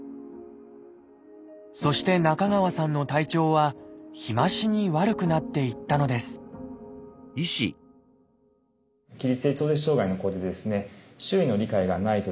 そして中川さんの体調は日増しに悪くなっていったのですそう